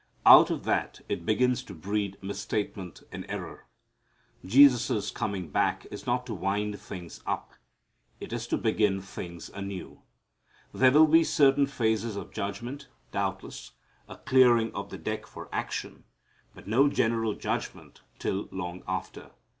Out of that it begins to breed misstatement and error. Jesus' coming back is not to wind things up. It is to begin things anew. There will be certain phases of judgment, doubtless, a clearing of the deck for action, but no general judgment till long after.